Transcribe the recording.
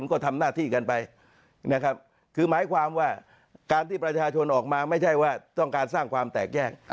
ก็ทำหน้าที่กันไปนะครับคือหมายความว่าการที่ประชาชนออกมาไม่ใช่ว่าต้องการสร้างความแตกแยก